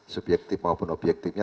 subyektif maupun obyektifnya